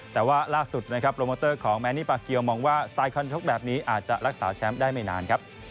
แต่ว่าล่าสุดนะครับโปรโมเตอร์ของแมนนี่ปาเกียวมองว่าสไตลคอนชกแบบนี้อาจจะรักษาแชมป์ได้ไม่นานครับ